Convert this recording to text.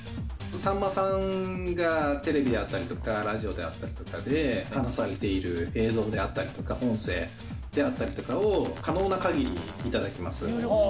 さんまさんがテレビであったりとか、ラジオであったりとかで話されている映像であったりとか、音声であったりとかを、可能なかぎり頂きます。